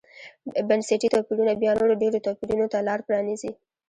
بنسټي توپیرونه بیا نورو ډېرو توپیرونو ته لار پرانېزي.